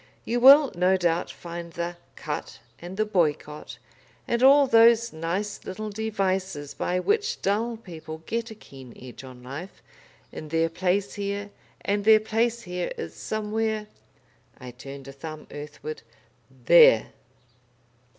You will, no doubt, find the 'cut' and the 'boycott,' and all those nice little devices by which dull people get a keen edge on life, in their place here, and their place here is somewhere " I turned a thumb earthward. "There!"